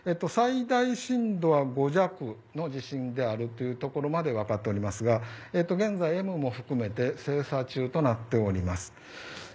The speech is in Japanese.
最大震度は５弱の地震であるというところまで分かっておりますが現在、Ｍも含め精査中となっています。